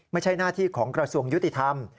ไม่ใช่หน้าที่ของกระทรวงยุติธรรม